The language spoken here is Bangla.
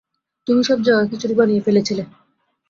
তুমি সব জগাখিচুরি বানিয়ে ফেলেছিলে।